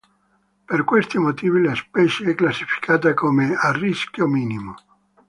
Per questi motivi la specie è classificata come "a rischio minimo".